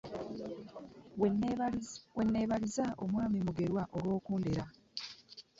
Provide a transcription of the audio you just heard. We nneebaliza mwami Mugerwa olw'okundera.